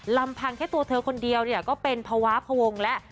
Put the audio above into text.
ลำพังแค่ตัวเธอคนเดียวเนี่ยก็เป็นภาวะพวงแล้ว